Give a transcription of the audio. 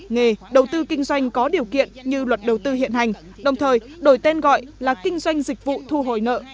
nghề đầu tư kinh doanh có điều kiện như luật đầu tư hiện hành đồng thời đổi tên gọi là kinh doanh dịch vụ thu hồi nợ